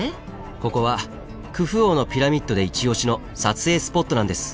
ここはクフ王のピラミッドでイチオシの撮影スポットなんです。